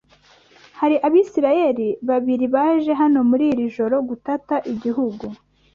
hari Abisirayeli babiri baje hano muri iri joro gutata igihugu